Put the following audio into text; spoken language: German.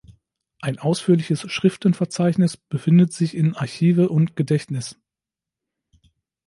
Ein ausführliches Schriftenverzeichnis befindet sich in "Archive und Gedächtnis.